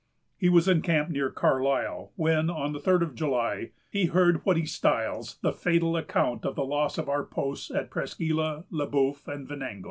He was encamped near Carlisle when, on the third of July, he heard what he styles the "fatal account of the loss of our posts at Presqu' Isle, Le Bœuf, and Venango."